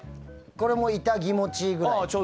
これも痛気持ちいいくらい。